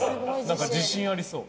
なんか自信ありそう。